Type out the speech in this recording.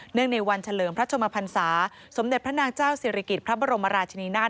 ในวันเฉลิมพระชมพันศาสมเด็จพระนางเจ้าศิริกิจพระบรมราชนีนาฏ